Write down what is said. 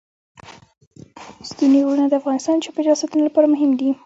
ستوني غرونه د افغانستان د چاپیریال ساتنې لپاره مهم دي.